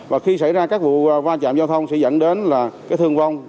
và khi xảy ra các vụ va chạm giao thông sẽ dẫn đến thương vong